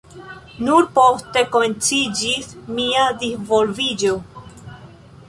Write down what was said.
Nur poste komenciĝis mia disvolviĝo.